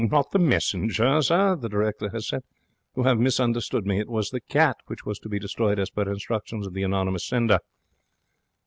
'Not the messenger, sir,' the directeur has said. 'You 'ave misunderstood me. It was the cat which was to be destroyed as per instructions of the anonymous sender.'